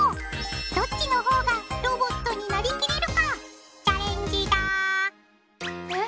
どっちのほうがロボットになりきれるかチャレンジダーえっ。